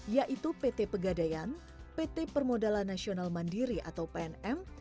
yaitu pt pegadaian pt permodalan nasional mandiri atau pnm